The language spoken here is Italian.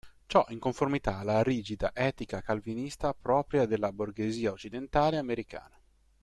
Ciò in conformità alla rigida etica calvinista propria della borghesia occidentale e americana.